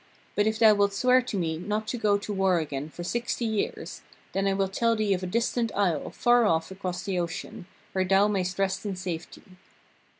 But if thou wilt swear to me not to go to war again for sixty years, then I will tell thee of a distant isle, far off across the ocean, where thou mayst rest in safety.'